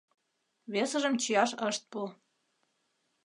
Весыжым чияш ышт пу.